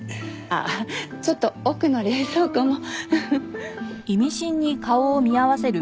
あっちょっと奥の冷蔵庫も。